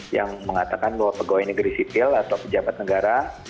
yang mengatakan bahwa pegawai negeri sipil atau pejabat negara